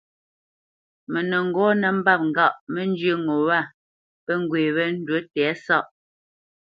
Mə nə́ ŋgɔ́ nə́ mbâp ŋgâʼ mə́ njyə́ ŋo wâ pə́ ŋgwê wé ndǔ tɛ̌sáʼ,